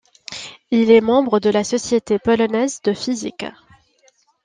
Il est membre de la Société polonaise de physique.